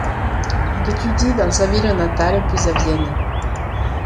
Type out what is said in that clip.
Il étudie dans sa ville natale puis à Vienne.